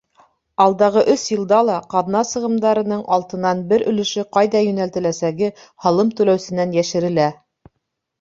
Алдағы өс йылда ла ҡаҙна сығымдарының алтынан бер өлөшө ҡайҙа йүнәлтеләсәге һалым түләүсенән йәшерелә.